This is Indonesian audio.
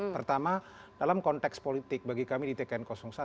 pertama dalam konteks politik bagi kami di tkn satu